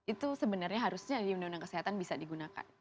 itu sebenarnya harusnya di undang undang kesehatan bisa digunakan